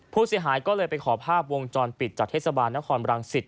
ผู้เสียหายก็เลยไปขอภาพวงจรปิดจากเทศบาลนครบรังสิต